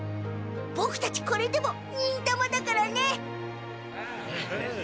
ボクたちこれでも忍たまだからね。